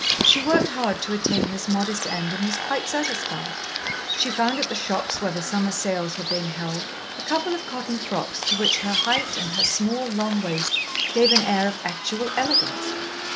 She worked hard to attain this modest end and was quite satisfied. She found at the shops where the summer sales were being held a couple of cotton frocks to which her height and her small, long waist gave an air of actual elegance.